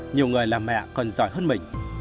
nhiều người là mẹ còn giỏi hơn mình